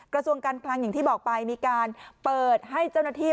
กระทรวงการคลังอย่างที่บอกไปมีการเปิดให้เจ้าหน้าที่